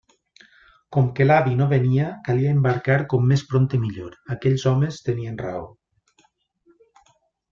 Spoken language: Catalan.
Com que l'avi no venia, calia embarcar com més prompte millor; aquells homes tenien raó.